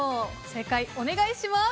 正解、お願いします。